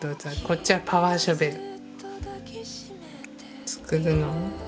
こっちはパワーショベル。